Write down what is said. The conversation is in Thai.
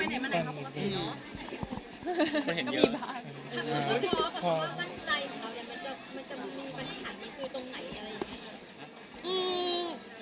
ว่าวันใจของเรามีปัญหาสิ่งที่ตรงไหน